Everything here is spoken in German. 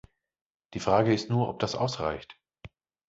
Die Frage ist nur, ob das ausreicht.